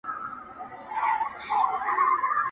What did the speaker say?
زاهده دغه تا نه غوښتله خدای غوښتله~